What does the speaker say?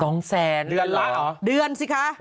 เช็ดแรงไปนี่